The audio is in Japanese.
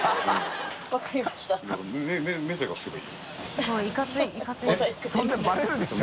すごいいかついですね。